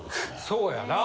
そうやな。